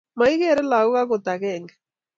Magigeer lagook agot agenge